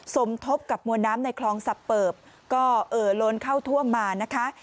สมทบกับมวลน้ำในคลองสับเปิบก็เอ่อล้นเข้าท่วมมานะคะ